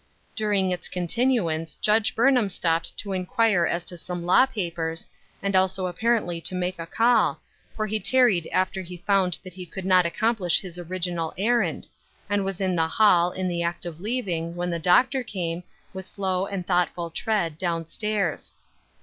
Dur ing its continuance Judge Burnham stopped to inquire as to some law papers, and also appar ently to make a call, for he tarried after he found that he could not accomplish his original errand, and was in the hall, in the act of leav ing, when the doctor came, with slow and thoughtful tread, down stairs.